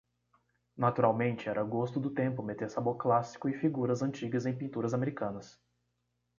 Naturalmente era gosto do tempo meter sabor clássico e figuras antigas em pinturas americanas.